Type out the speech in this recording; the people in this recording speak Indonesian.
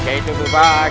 saya itu bebas